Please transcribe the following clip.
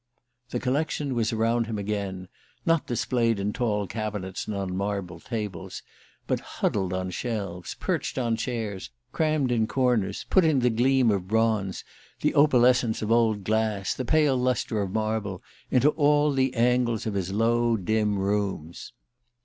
The collection was around him again, not displayed in tall cabinets and on marble tables, but huddled on shelves, perched on chairs, crammed in corners, putting the gleam of bronze, the opalescence of old glass, the pale lustre of marble, into all the angles of his low dim rooms.